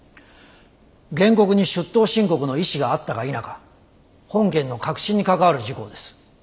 原告に出頭申告の意思があったか否か本件の核心に関わる事項です。